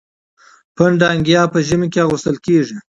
پنډه انګيا په ژمي کي اغوستل کيږي.